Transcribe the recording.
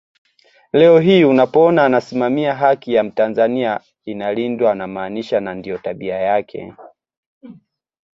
Leo hii unapoona anasimamia haki ya mtanzania inalindwa anamaanisha na ndio tabia yake